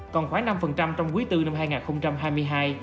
còn khoảng năm trong quý iv năm hai nghìn hai mươi hai